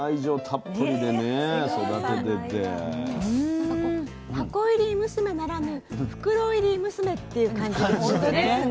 なんかこう箱入り娘ならぬ袋入り娘っていう感じですよね。